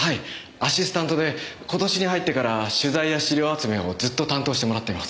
アシスタントで今年に入ってから取材や資料集めをずっと担当してもらっています。